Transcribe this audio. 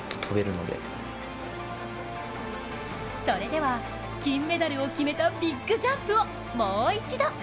それでは金メダルを決めたビッグジャンプをもう一度。